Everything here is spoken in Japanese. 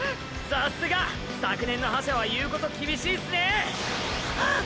さすが昨年の覇者は言うことキビしいすね！！っ！！